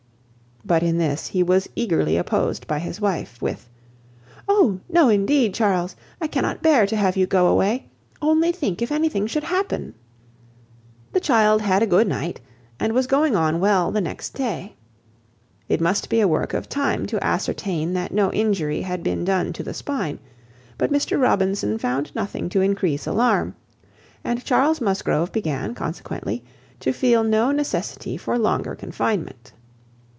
But in this he was eagerly opposed by his wife, with "Oh! no, indeed, Charles, I cannot bear to have you go away. Only think if anything should happen?" The child had a good night, and was going on well the next day. It must be a work of time to ascertain that no injury had been done to the spine; but Mr Robinson found nothing to increase alarm, and Charles Musgrove began, consequently, to feel no necessity for longer confinement.